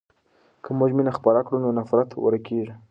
که موږ مینه خپره کړو نو نفرت ورکېږي.